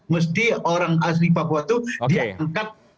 mesti orang asli papua itu diangkat